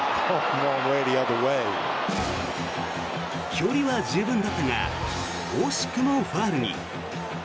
距離は十分だったが惜しくもファウルに。